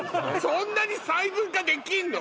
そんなに細分化できるの？